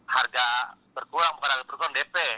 harga berkurang bukan harga berkurang dp